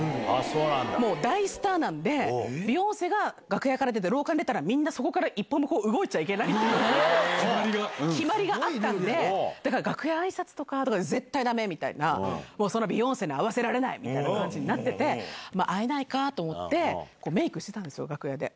もう大スターなんで、ビヨンセが楽屋から出て、廊下に出たら、みんなそこから一歩も動いちゃいけない決まりがあったんで、だから楽屋あいさつとか絶対だめみたいな、そのビヨンセに会わせられないみたいな感じになってて、会えないかと思って、メークしてたんですよ、楽屋で。